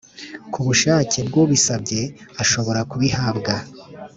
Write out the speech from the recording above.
Ku bushake bwubisabye ashobora kubihabwa